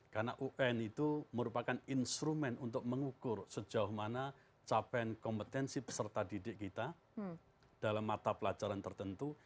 karena un itu merupakan instrument untuk mengukur sejauh mana capaian kompetensi peserta didik kita dalam mata pelajaran tertentu